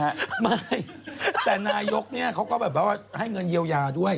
ไม่แต่นายกเนี่ยเขาก็แบบว่าให้เงินเยียวยาด้วย